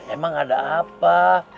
emang ada apa